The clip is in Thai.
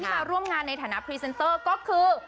มาร่วมงานในฐานะพรีเซนเตอร์ก็คือ